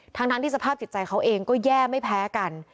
ทั้งที่สภาพจิตใจเขาเองก็แย่ไม่แพ้กัน